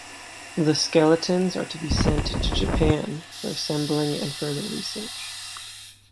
The skeletons are to be sent to Japan for assembling and further research.